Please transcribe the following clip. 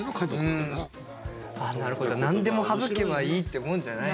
何でも省けばいいってもんじゃない。